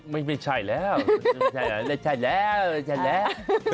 ไม่ใช่แล้วไม่ใช่แล้วไม่ใช่แล้ว